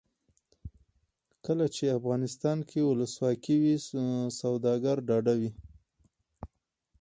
کله چې افغانستان کې ولسواکي وي سوداګر ډاډه وي.